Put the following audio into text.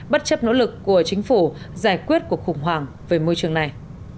bất chấp nỗ lực của chính phủ giải quyết cuộc khủng hoảng về môi trường này